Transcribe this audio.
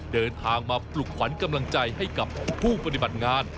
เดินทางมาปลุกขวัญกำลังใจให้กับผู้ปฏิบัติงาน